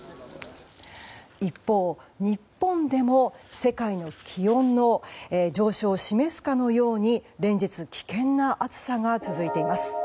一方、日本でも世界に気温の上昇を示すかのように連日、危険な暑さが続いています。